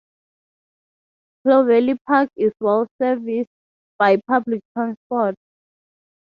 Clovelly Park is well serviced by public transport.